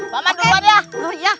paman keluar ya